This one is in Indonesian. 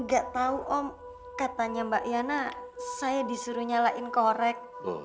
gak tau om katanya mbak yana saya disuruh nyalain korek